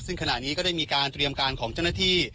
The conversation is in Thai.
ซึ่งขณะนี้ก็ได้มีการเตรียมการของเจ้าหน้าที่